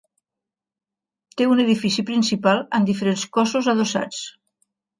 Té un edifici principal amb diferents cossos adossats.